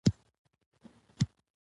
د ولس رایه بدلون راولي